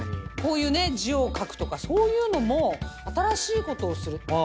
字を書くとかそういうのも新しいことをするっていうのも。